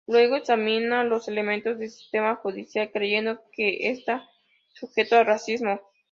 Luego examina los elementos del sistema judicial, creyendo que está sujeto al racismo.